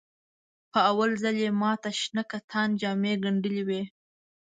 په اول ځل یې ماته د شنه کتان جامې ګنډلې وې.